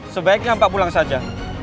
sebaiknya mbak pulang saja